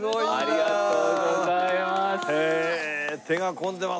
ありがとうございます。